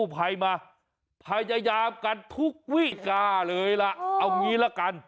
ภัยมาพยายามกันทุกวิกาเลยล่ะเอางี้ละกัน